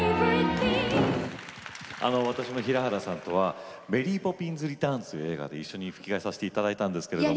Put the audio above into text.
私も平原さんとは「メリー・ポピンズリターンズ」という映画で一緒に吹き替えさせていただいたんですけれども。